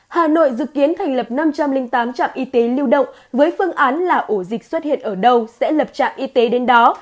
hà nội dự kiến thành lập năm trăm linh tám trạm y tế lưu động với phương án là ổ dịch xuất hiện ở đâu sẽ lập trạm y tế đến đó